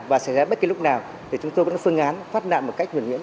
và xảy ra bất kỳ lúc nào thì chúng tôi cũng phương án phát nạn một cách huyền nguyễn